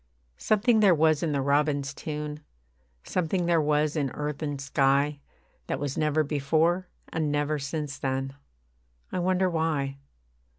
Something there was in the robin's tune, Something there was in earth and sky, That was never before, and never since then. I wonder why.